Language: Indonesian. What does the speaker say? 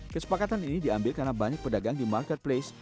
kesepakatan ini diambil karena banyak pedagang di marketplace